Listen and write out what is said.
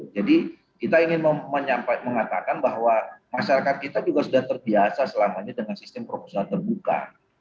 jadi kita ingin mengatakan bahwa masyarakat kita juga sudah terbiasa selama ini dengan sistem provokasional terbuka